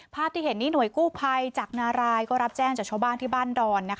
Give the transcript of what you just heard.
ภาพที่เห็นนี้หน่วยกู้ภัยจากนารายก็รับแจ้งจากชาวบ้านที่บ้านดอน